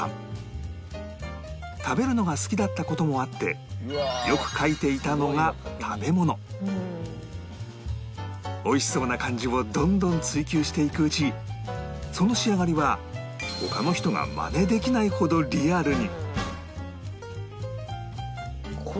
食べるのが好きだった事もあって美味しそうな感じをどんどん追求していくうちその仕上がりは他の人がマネできないほどリアルに